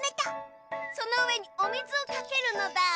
そのうえにおみずをかけるのだ。